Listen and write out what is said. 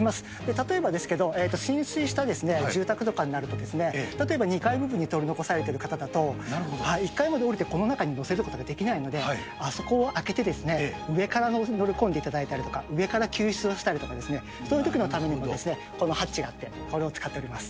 例えばですけど、浸水した住宅とかになりますと、例えば、２階部分に取り残されている方だと、１階まで降りてこの中に乗せることができないので、あそこを開けて、上から乗り込んでいただいたりとか、上から救出をしたりですとか、そういうときのためにこのハッチがあって、これを使っております。